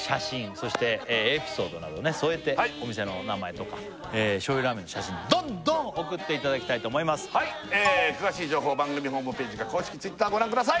そしてエピソードなどね添えてお店の名前とか醤油ラーメンの写真どんどん送っていただきたいと思います詳しい情報番組ホームページか公式Ｔｗｉｔｔｅｒご覧ください